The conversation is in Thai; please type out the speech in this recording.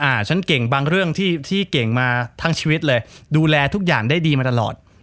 ฉันเก่งบางเรื่องที่ที่เก่งมาทั้งชีวิตเลยดูแลทุกอย่างได้ดีมาตลอด